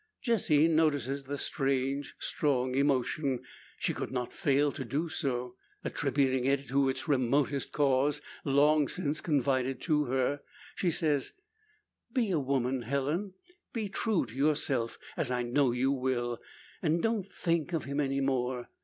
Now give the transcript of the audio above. Jessie notices the strange, strong emotion. She could not fail to do so. Attributing it to its remotest cause, long since confided to her, she says: "Be a woman, Helen! Be true to yourself, as I know you will; and don't think of him any more.